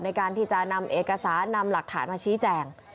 ในการที่จะนำเอกสารนำหลักฐานมาชี้แจง